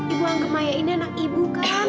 ibu anggap maya ini anak ibu kan